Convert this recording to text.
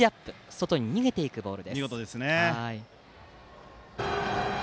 外に逃げていくボール。